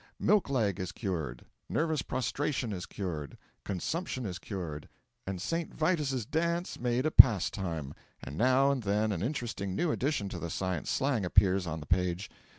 Milk leg is cured; nervous prostration is cured; consumption is cured; and St. Vitus's dance made a pastime. And now and then an interesting new addition to the Science slang appears on the page.